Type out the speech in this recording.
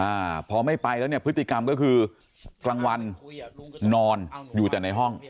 อ่าพอไม่ไปแล้วเนี่ยพฤติกรรมก็คือกลางวันนอนอยู่แต่ในห้อง